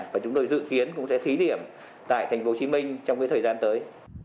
và chúng tôi dự kiến cũng sẽ thí điểm tại tp hcm trong thời gian tới